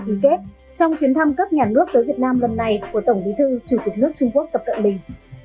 ký kết trong chuyến thăm cấp nhà nước tới việt nam lần này của tổng bí thư chủ tịch nước trung quốc tập cận bình